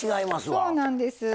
そうなんです。